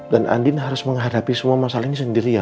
dan andin harus menghadapi semua masalah ini sendiri ya